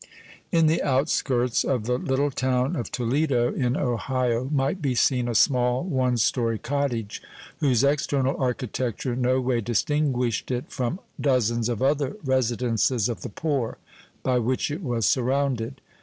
In the outskirts of the little town of Toledo, in Ohio, might be seen a small, one story cottage, whose external architecture no way distinguished it from dozens of other residences of the poor, by which it was surrounded.